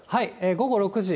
午後６時。